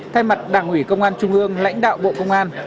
thay mặt đảng ủy công an trung ương lãnh đạo bộ công an